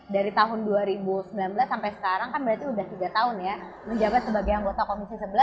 dari tahun dua ribu sembilan belas sampai sekarang kan berarti sudah tiga tahun ya menjabat sebagai anggota komisi sebelas